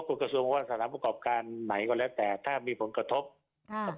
กรกสวงก็ว่าสถานพวกอกการไหนอะแล้วแต่ถ้ามีผลกระทบฮ่า